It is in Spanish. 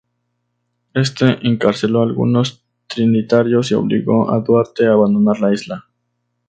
Este encarceló algunos Trinitarios y obligó a Duarte a abandonar la isla.